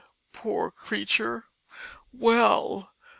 Poor Creature! Well!